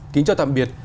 kính chào tạm biệt